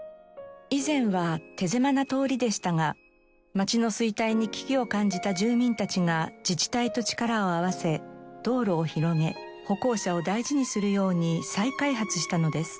以前は手狭な通りでしたが街の衰退に危機を感じた住民たちが自治体と力を合わせ道路を広げ歩行者を大事にするように再開発したのです。